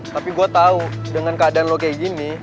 tapi gue tahu dengan keadaan lo kayak gini